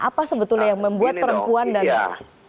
apa sebetulnya yang membuat perempuan dan anak